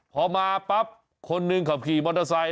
พอมาปั๊บคนหนึ่งขับขี่มอเตอร์ไซค